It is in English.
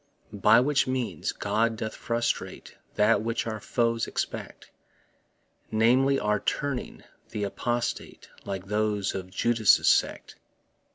By which means God doth frustrate That which our foes expect Namely, our turning th' apostate, Like those of Judas' sect.